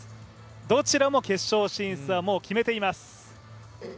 どちらも決勝進出はもう決めています。